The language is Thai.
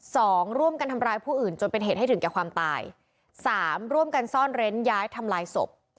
สองร่วมกันทำร้ายผู้อื่นจนเป็นเหตุให้ถึงแก่ความตายสามร่วมกันซ่อนเร้นย้ายทำลายศพ